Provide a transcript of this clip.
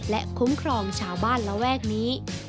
และคุ้มครองชาวบ้านระแวกนี้